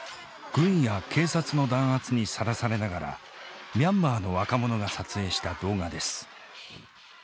軍や警察の弾圧にさらされながらミャンマーの若者が撮影した動画です。